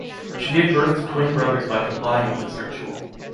She gave birth to twin brothers by complying with this ritual.